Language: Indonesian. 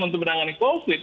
untuk menangani covid